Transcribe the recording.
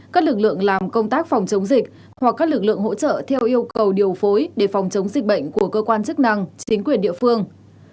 các lực lượng làm công tác phòng chống dịch hoặc các lực lượng hỗ trợ theo yêu cầu điều phối để phòng chống dịch bệnh của cơ quan chức năng chính quyền địa phương